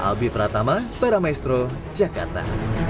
albi pratama baramaestro jakarta